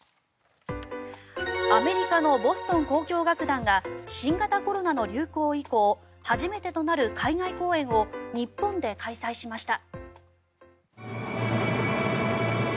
アメリカのボストン交響楽団が新型コロナの流行以降初めてとなる海外公演を日本で開催しました。